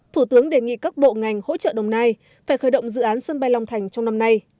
thủ tướng đề nghị các bộ ngành hỗ trợ đồng nai phải khởi động dự án sân bay long thành trong năm nay